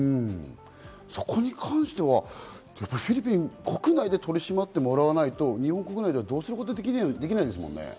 そこに関してはフィリピン国内で取り締まってもらわないと日本国内ではどうすることもできないですよね？